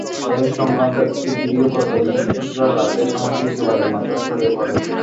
এ সংক্রান্ত একটি ভিডিও গত বৃহস্পতিবার রাতে সামাজিক যোগাযোগমাধ্যমে ছড়িয়ে পড়ে।